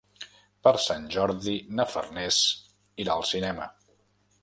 Per Sant Jordi na Farners irà al cinema.